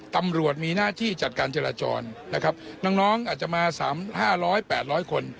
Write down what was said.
ตำรวจมีหน้าที่จัดการเจรจรนะครับน้องน้องอาจจะมาสามห้าร้อยแปดร้อยคน